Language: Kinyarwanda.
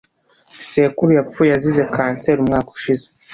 Sekuru yapfuye azize kanseri umwaka ushize.